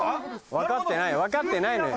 分かってない分かってないのよ